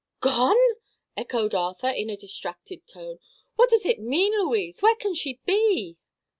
"Gone?" echoed Arthur, in a distracted tone. "What does it mean, Louise? Where can she be?"